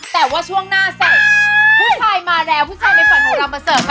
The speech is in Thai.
แต่ว่าช่วงหน้าใส่ผู้ชายมาแล้วผู้ชายในฝันของเรามาเสิร์ฟค่ะ